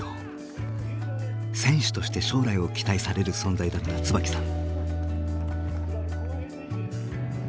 選手として将来を期待される存在だった椿さん。